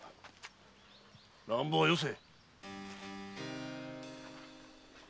乱暴はよせ。